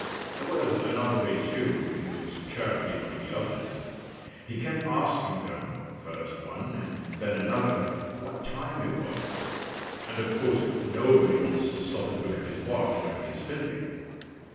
There was another way, too, in which Chirpy annoyed the others. He kept asking them first one and then another what time it was. And of course nobody wants to stop and look at his watch when he is fiddling.